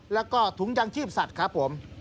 แล้วก็ถุงยางชีพสัตว์ครับผม